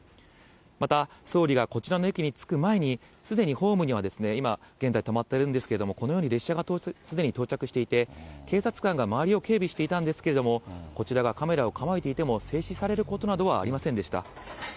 また、総理がこちらの駅に着く前に、すでにホームには、今現在止まってるんですけれども、このように列車がすでに到着していて、警察官が周りを警備していたんですけれども、こちらがカメラを構えていても、制止されることなどはありませんでした。